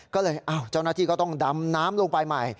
ก็เลยเจ้าหน้าที่ก็ต้องดำน้ำลงไปใหม่